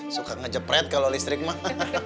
suka ngejepret kalau listrik mah